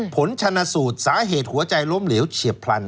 ผลชนะสูตรสาเหตุหัวใจล้มเหลวเฉียบพลัน